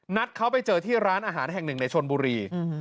นัดเขาไปเจอที่ร้านอาหารแห่งหนึ่งในชนบุรี